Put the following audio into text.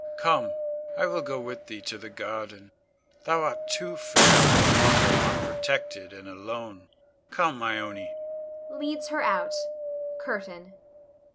Come, I will go with thee to the garden; thou art too fair to wander unprotected and alone. Come, Ione [leads her out]. CURTAIN.